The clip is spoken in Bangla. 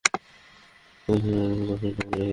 এই অবস্থায় মিশ্রণ আরও দশ মিনিট মতো রেখে দিন।